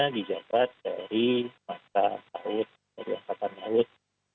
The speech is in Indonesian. di jabat dari mata laut dari angkatan laut